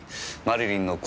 マリリン！